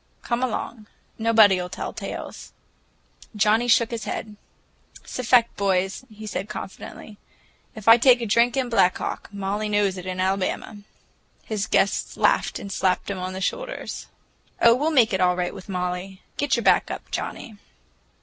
Come along, nobody'll tell tales." Johnnie shook his head. "'S a fact, boys," he said confidentially. "If I take a drink in Black Hawk, Molly knows it in Omaha!" His guests laughed and slapped him on the shoulder. "Oh, we'll make it all right with Molly. Get your back up, Johnnie."